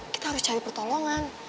kita harus cari pertolongan